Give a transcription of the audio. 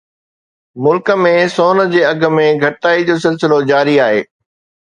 ملڪ ۾ سون جي اگهه ۾ گهٽتائي جو سلسلو جاري آهي